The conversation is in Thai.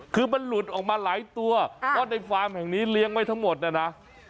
คือมันหลุดออกมาหลายตัวเพราะในฟาร์มแห่งนี้เลี้ยงไว้ทั้งหมดนะนะ